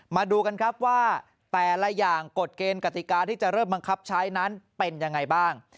มาดูกันครับว่าแต่ละอย่างกฎเกณฑ์กติกาที่จะเริ่มบังคับใช้นั้นเป็นยังไงบ้าง